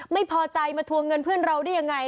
ไม่พอใจมาทวงเงินเพื่อนเราได้ยังไง